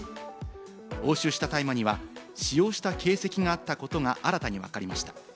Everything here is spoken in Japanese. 押収した大麻には使用した形跡があったことが新たにわかりました。